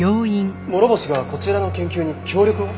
諸星がこちらの研究に協力を？